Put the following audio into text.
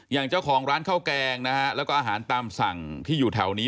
อย่างเจ้าของร้านข้าวแกงนะฮะแล้วก็อาหารตามสั่งที่อยู่แถวนี้